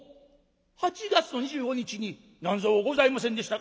８月の２５日に何ぞございませんでしたか？」。